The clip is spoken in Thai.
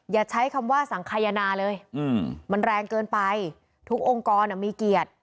อย่าใช้คำว่าสังขยนาเลยมันแรงเกินไปทุกองค์กรมีเกียรติ